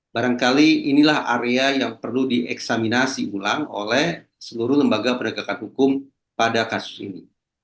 barangkali inilah area yang perlu dieksaminasi ulang oleh seluruh lembaga penegakan hukum pada kasus ini